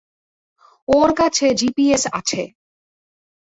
ওর কাছে জিপিএস আছে।